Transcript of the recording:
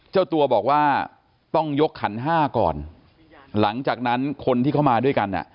เจ้าตัวบอกว่าต้องยกขันห้าก่อนหลังจากนั้นคนที่เข้ามาด้วยกันอ่ะ